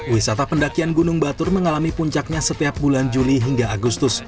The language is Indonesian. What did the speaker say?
wisata pendakian gunung batur mengalami puncaknya setiap bulan juli hingga agustus